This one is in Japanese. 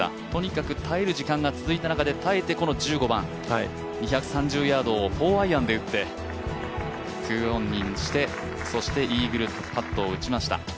とにかく耐える時間が続いた中で、耐えてこの１５番２３０ヤードを４アイアンで打って２オンにしてそしてイーグルパットを打ちました。